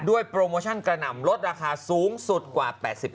โปรโมชั่นกระหน่ำลดราคาสูงสุดกว่า๘๐บาท